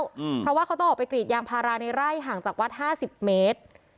เพราะว่าเขาต้องออกไปกรีดยางพาราในไร่ห่างจากวัดห้าสิบเมตร